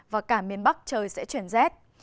và cả miền bắc trời sẽ chuyển rét